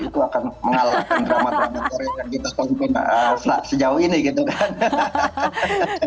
itu akan mengalahkan drama drama korea yang kita konten sejauh ini gitu kan